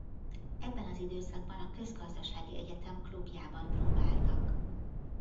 Ebben az időszakban a Közgazdasági Egyetem klubjában próbáltak.